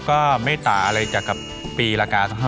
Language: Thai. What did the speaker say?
ก็ไม่ต่าอะไรจากกับปีละกาศเท่าไหร่